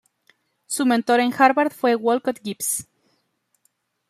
Su mentor en Harvard fue Wolcott Gibbs.